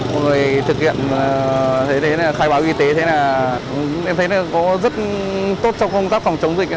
mọi người thực hiện khai báo y tế em thấy là có rất tốt trong công tác phòng chống dịch